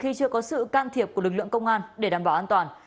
khi chưa có sự can thiệp của lực lượng công an để đảm bảo an toàn